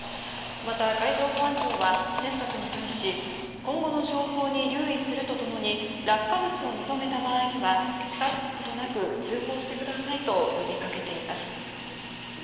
また海上保安庁は船舶に対し今後の情報に留意するとともに落下物を認めた場合には近づくことなく通報してくださいと呼びかけています。